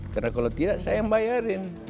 karena kalau tidak saya yang bayarin